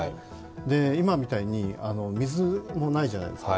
で、今みたいに水もないじゃないですか。